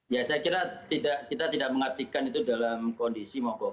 ya saya kira kita tidak mengartikan itu dalam kondisi mogok